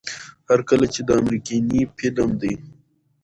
هر کله چې دا امريکنے فلم دے